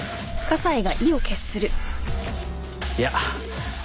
いや。